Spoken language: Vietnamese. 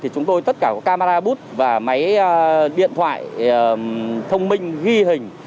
chúng tôi tất cả camera bút và máy điện thoại thông minh ghi hình